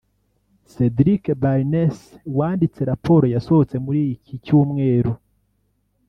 Cedric Barnes wanditse raporo yasohotse muri iki cyumweru